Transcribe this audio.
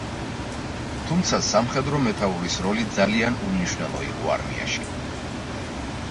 თუმცა სამხედრო მეთაურის როლი ძალიან უმნიშვნელო იყო არმიაში.